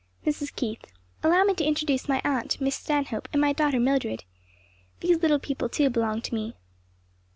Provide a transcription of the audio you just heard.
"Mrs. Keith. Allow me to introduce my aunt, Miss Stanhope, and my daughter Mildred. These little people too belong to me."